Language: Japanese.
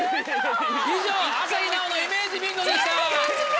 以上朝日奈央のイメージビンゴでした。